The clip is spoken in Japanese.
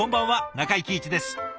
中井貴一です。